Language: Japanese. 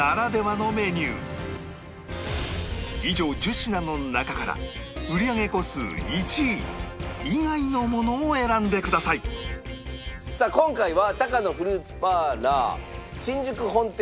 以上１０品の中から売り上げ個数１位以外のものを選んでくださいさあ今回は。